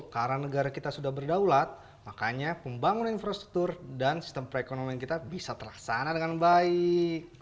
karena negara kita sudah berdaulat makanya pembangunan infrastruktur dan sistem perekonomian kita bisa terasana dengan baik